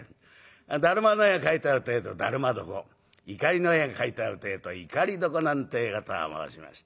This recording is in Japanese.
だるまの絵が描いてあるってえと「だるま床」碇の絵が描いてあるってえと「碇床」なんてえことを申しました。